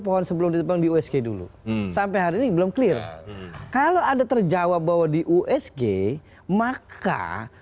pohon sebelum ditebang di usg dulu sampai hari ini belum clear kalau ada terjawab bahwa di usg maka